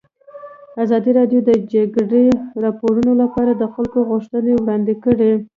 ازادي راډیو د د جګړې راپورونه لپاره د خلکو غوښتنې وړاندې کړي.